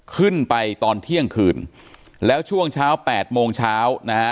ขึ้นไปตอนเที่ยงคืนแล้วช่วงเช้าแปดโมงเช้านะฮะ